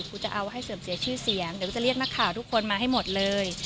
กูจะเอาให้เสื่อมเสียชื่อเสียงเดี๋ยวกูจะเรียกนักข่าวทุกคนมาให้หมดเลย